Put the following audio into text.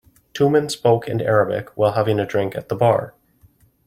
Two men spoke in Arabic while having a drink at the bar.